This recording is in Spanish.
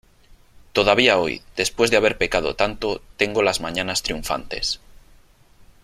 todavía hoy , después de haber pecado tanto , tengo las mañanas triunfantes ,